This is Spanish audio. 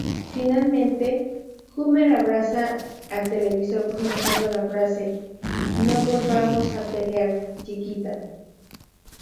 Finalmente Homer abraza al televisor pronunciando la frase "no volvamos a pelear, chiquita".